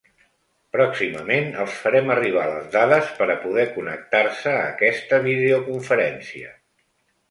Pròximament els farem arribar les dades per a poder connectar-se a aquesta videoconferència.